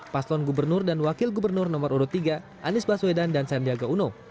paslon gubernur dan wakil gubernur nomor urut tiga anies baswedan dan sandiaga uno